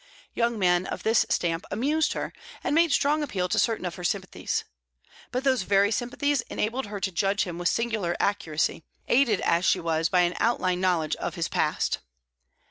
Young men of this stamp amused her, and made strong appeal to certain of her sympathies. But those very sympathies enabled her to judge him with singular accuracy, aided as she was by an outline knowledge of his past.